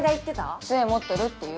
杖持ってるっていう？